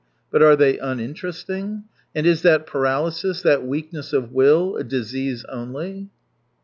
But are they uninteresting ? And is that patalysis, that weakness of wiU, a disease only